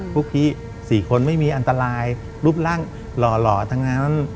พวกพี่๔คนไม่มีอันตรายรูปร่างหล่อทั้งนั้น